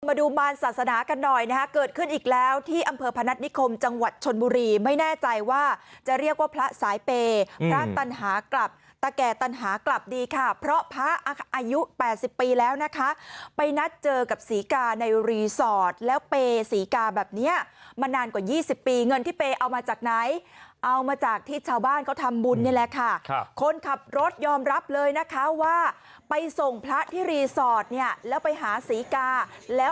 มาดูบานศาสนากันหน่อยนะครับเกิดขึ้นอีกแล้วที่อำเภอพนัฐมิคมจังหวัดชนบุรีไม่แน่ใจว่าจะเรียกว่าพระสายเปย์พระตัณหากลับตะแก่ตัณหากลับดีค่ะเพราะพระอายุ๘๐ปีแล้วนะคะไปนัดเจอกับศรีกาในรีสอร์ทแล้วเปย์ศรีกาแบบนี้มานานกว่า๒๐ปีเงินที่เปย์เอามาจากไหนเอามาจากที่ชาวบ้านเขาทำบุญนี่แ